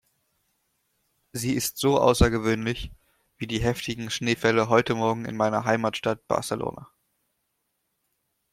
Sie ist so außergewöhnlich, wie die heftigen Schneefälle heute morgen in meiner Heimatstadt Barcelona.